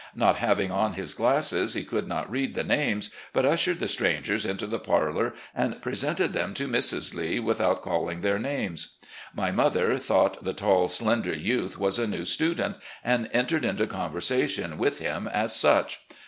Not having on his glasses, he could not read the names, but ushered the strangers into the parlour, and presented FAMILY AFFAIRS 245 them to Mrs. Lee, without calling their names. My mother thought the tall, slender youth was a new student, and entered into conversation with him as such.